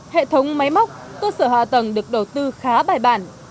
hệ thống máy móc cơ sở hạ tầng được đầu tư khá bài bản